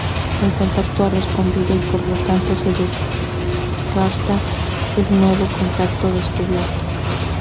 El contacto ha respondido y por lo tanto se descarta el nuevo contacto descubierto.